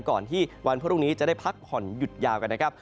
ก่อนที่วันพรุ่งนี้จะได้พักผ่อนหยุดยาวกันนะครับ